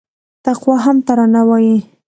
تقوا هم ترانه وايي